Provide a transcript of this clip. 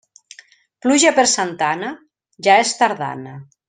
Pluja per Santa Anna, ja és tardana.